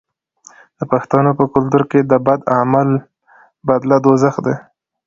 د پښتنو په کلتور کې د بد عمل بدله دوزخ دی.